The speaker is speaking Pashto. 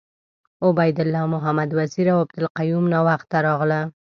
عبید الله محمد وزیر اوعبدالقیوم ناوخته راغله .